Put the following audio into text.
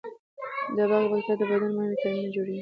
دغه بکتریا د بدن مهم ویتامینونه جوړوي.